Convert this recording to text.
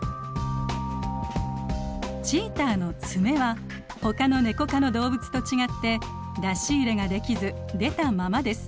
チーターの爪はほかのネコ科の動物と違って出し入れができず出たままです。